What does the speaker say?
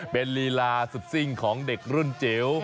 เป็นลีลาสุดซิ่งของเด็กรุ่นจิ๋ว